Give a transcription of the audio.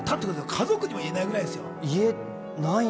家族にも言えないくらいですよ。